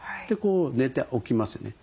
寝て起きますよね。